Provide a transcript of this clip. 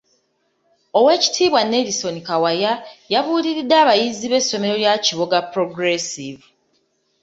Oweekitiibwa Nelson Kawalya yabuuliridde abayizi b'essomero lya Kiboga Progressive.